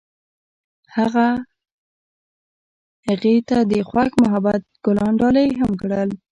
هغه هغې ته د خوښ محبت ګلان ډالۍ هم کړل.